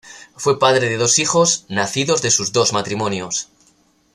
Fue padre de dos hijos, nacidos de sus dos matrimonios.